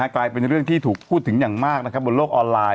กลายเป็นเรื่องที่ถูกพูดถึงอย่างมากนะครับบนโลกออนไลน